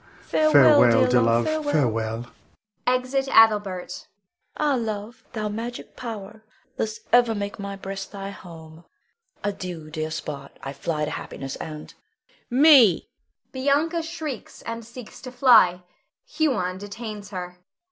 Farewell, dear love, farewell! [Exit Adelbert. Bianca. Ah, love, thou magic power, thus ever make my breast thy home. Adieu, dear spot! I fly to happiness and Huon. Me [Bianca shrieks, and seeks to fly. Huon detains her.] Bianca.